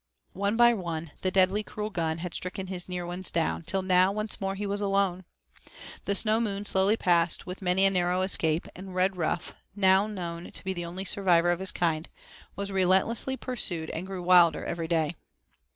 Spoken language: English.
One by one the deadly cruel gun had stricken his near ones down, till now, once more, he was alone. The Snow Moon slowly passed with many a narrow escape, and Redruff, now known to be the only survivor of his kind, was relentlessly pursued, and grew wilder every day.